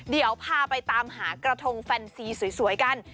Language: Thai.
เดี๋ยวพาไปตามหากระทงแฟนซีสวยกัน